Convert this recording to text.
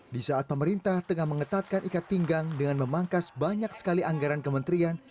di saat pemerintah tengah mengetatkan ikat pinggang dengan memangkas banyak sekali anggaran kementerian